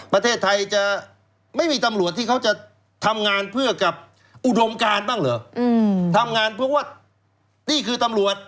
ประเทศไทยจะไม่มีตำรวจที่เขาจะทำงานเพื่อกับอุดมการบ้างเหรอทำงานเพื่อว่านี่คือตำรวจ